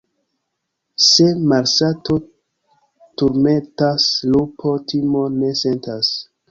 Se malsato turmentas, lupo timon ne sentas.